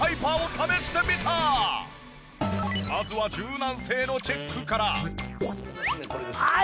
まずは柔軟性のチェックから。